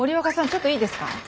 ちょっといいですか？